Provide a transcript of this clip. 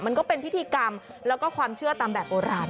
มันก็เป็นพิธีกรรมแล้วก็ความเชื่อตามแบบโบราณ